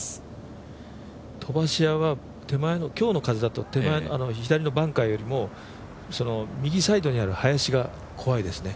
飛ばし屋は今日の風だと左のバンカーよりも右サイドにある林が怖いですね。